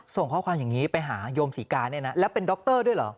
ส่งข้อความอย่างนี้ไปหาโยมศรีกาเนี่ยนะแล้วเป็นดรด้วยเหรอ